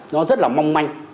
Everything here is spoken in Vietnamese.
nó rất là mong manh